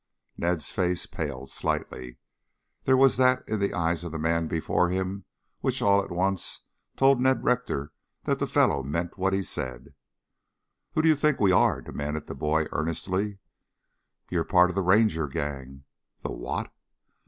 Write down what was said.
Ned's face paled slightly. There was that in the eyes of the man before him which, all at once, told Ned Rector that the fellow meant what he said. "Who do you think we are?" demanded the boy earnestly. "You're part of the Ranger gang." "The what?"